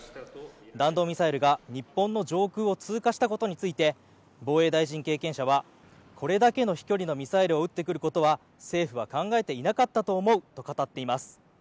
弾道ミサイルが日本の上空を通過したことについて防衛大臣経験者はこれだけの飛距離のミサイルを撃ってくることは政府は考えていなかったと思うと語っています。